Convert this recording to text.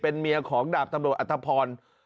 เมียของดาบตำรวจอัตภพร